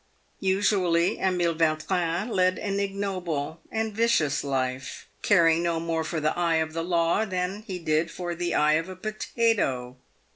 Usually Emile Yautrin led an ignoble and vicious life, caring no more for the eye of the law than he did for the eye of a potato.